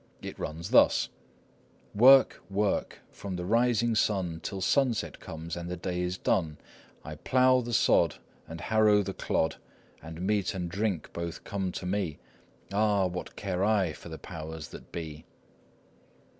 It runs thus:— "Work, work,—from the rising sun Till sunset comes and the day is done I plough the sod, And harrow the clod, And meat and drink both come to me,— Ah, what care I for the powers that be?"